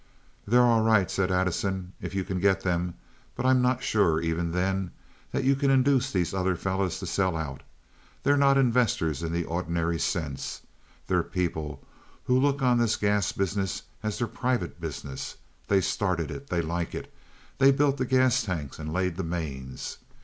"They're all right," said Addison, "if you can get them. But I'm not sure, even then, that you can induce these other fellows to sell out. They're not investors in the ordinary sense. They're people who look on this gas business as their private business. They started it. They like it. They built the gas tanks and laid the mains.